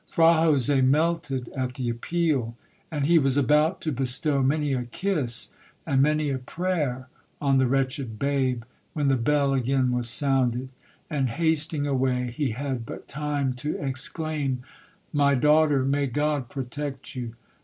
'Fra Jose melted at the appeal, and he was about to bestow many a kiss and many a prayer on the wretched babe, when the bell again was sounded, and hasting away, he had but time to exclaim, 'My daughter, may God protect you!'